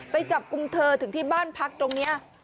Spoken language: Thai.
ไปจับกลุ่มเธอถึงที่บ้านพักตรงนี้